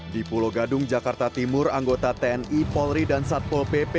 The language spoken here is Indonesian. di pulau gadung jakarta timur anggota tni polri dan satpol pp